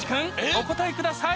お答えください